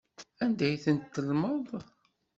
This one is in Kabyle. Anda ay tent-tellmeḍ?